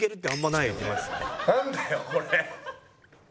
なんだよこれ。